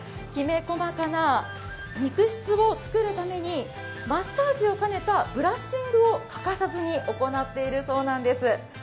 きめ細かな肉質をつくるためにマッサージを兼ねたブラッシングを欠かさずに行っているそうなんです。